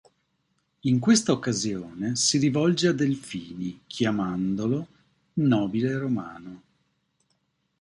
In questa occasione si rivolge a Delfini chiamandolo "nobile romano".